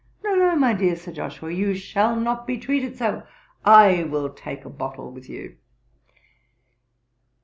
No, no, my dear Sir Joshua, you shall not be treated so, I will take a bottle with you.'